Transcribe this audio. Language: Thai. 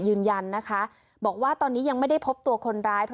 ยืนยันนะคะบอกว่าตอนนี้ยังไม่ได้พบตัวคนร้าย